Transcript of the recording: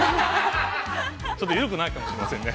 ◆ちょっとゆるくないかもしれませんね。